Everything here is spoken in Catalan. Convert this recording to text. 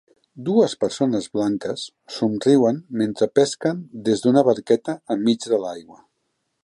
Dues persones blanques somriuen mentre pesquen des d'una barqueta enmig de l'aigua.